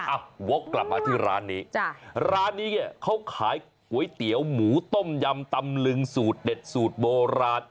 วกกลับมาที่ร้านนี้ร้านนี้เนี่ยเขาขายก๋วยเตี๋ยวหมูต้มยำตำลึงสูตรเด็ดสูตรโบราณ